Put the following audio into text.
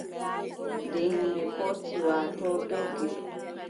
Nde yimɓe poorti, waatoo doggi,